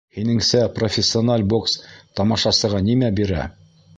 — Һинеңсә, профессиональ бокс тамашасыға нимә бирә?